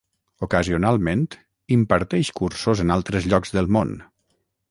Ocasionalment, imparteix cursos en altres llocs del món.